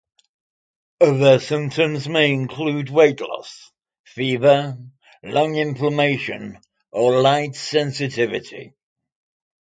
Other symptoms may include weight loss, fever, lung inflammation, or light sensitivity.